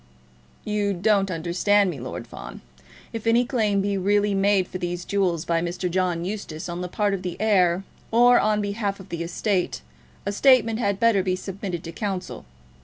"You don't understand me, Lord Fawn. If any claim be really made for these jewels by Mr. John Eustace on the part of the heir, or on behalf of the estate, a statement had better be submitted to counsel.